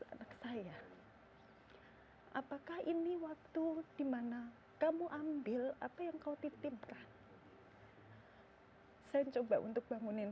anak saya apakah ini waktu dimana kamu ambil apa yang kau titipkan saya coba untuk bangunin